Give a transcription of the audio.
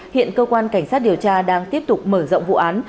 hiện cơ quan cảnh sát điều tra đang tiếp tục mở rộng vụ án